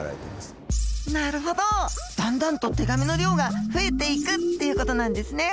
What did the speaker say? なるほどだんだんと手紙の量が増えていくっていう事なんですね。